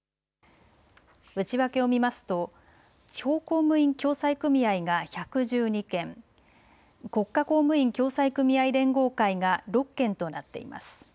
内訳を見ますと地方公務員共済組合が１１２件、国家公務員共済組合連合会が６件となっています。